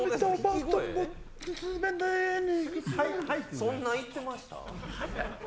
そんな行ってました？